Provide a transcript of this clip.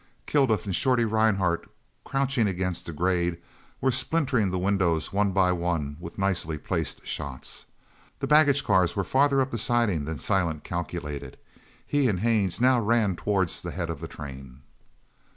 Kilduff and Shorty Rhinehart, crouching against the grade, were splintering the windows one by one with nicely placed shots. The baggage cars were farther up the siding than Silent calculated. He and Haines now ran towards the head of the train.